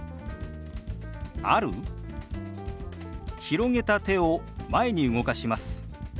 広げた手を前に動かします。